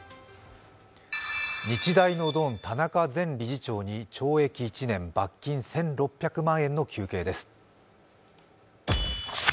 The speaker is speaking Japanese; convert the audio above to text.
日大のドン田中前理事長に懲役１年、罰金１６００万円の求刑です。